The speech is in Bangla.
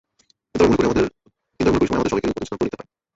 কিন্তু আমি মনে করি, সময়ে আমাদের সবাইকে কঠিন সিদ্ধান্তও নিতে হয়।